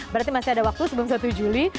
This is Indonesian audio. berarti masih ada waktu sebelum satu juli